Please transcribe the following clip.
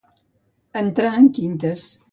Entrar en quintes.